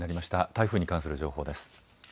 台風に関する情報です。